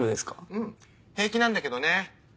うん平気なんだけどね。